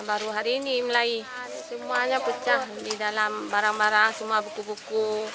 baru hari ini mulai semuanya pecah di dalam barang barang semua buku buku